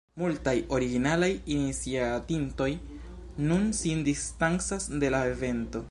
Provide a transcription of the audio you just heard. Multaj originalaj iniciatintoj nun sin distancas de la evento.